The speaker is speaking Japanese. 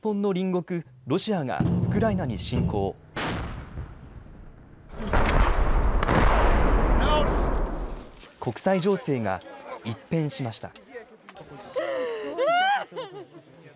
国際情勢が一変しました。